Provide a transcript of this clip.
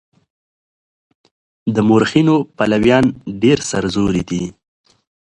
د مورخينو پلويان ډېر سرزوري دي.